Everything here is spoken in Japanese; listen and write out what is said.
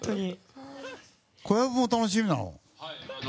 小籔も楽しみなの？